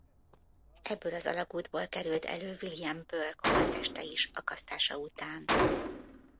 Ebből az alagútból került elő William Burke holtteste is akasztása után.